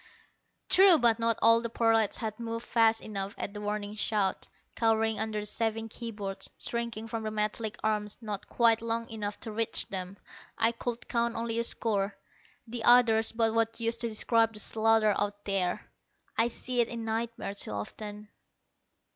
True, but not all the prolats had moved fast enough at the warning shout. Cowering under the saving key boards, shrinking from the metallic arms not quite long enough to reach them, I could count only a score. The others but what use to describe the slaughter out there! I see it in nightmares too often.